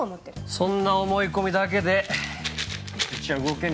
そんな思い込みだけでうちは動けねえぞ。